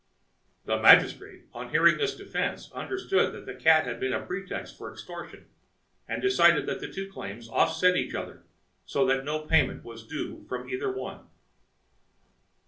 The magistrate, on hearing this defense, understood that the cat had been a pretext for extortion, and decided that the two claims offset each other, so that no payment was due from either one.